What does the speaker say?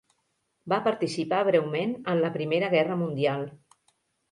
Va participar breument en la Primera Guerra Mundial.